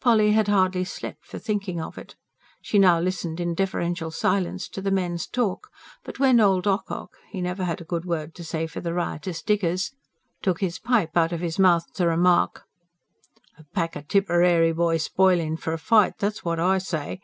Polly had hardly slept for thinking of it. She now listened in deferential silence to the men's talk; but when old Ocock he never had a good word to say for the riotous diggers took his pipe out of his mouth to remark: "A pack o' Tipperary boys spoilin' for a fight that's what I say.